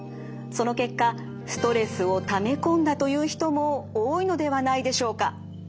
その結果ストレスをためこんだという人も多いのではないでしょうか。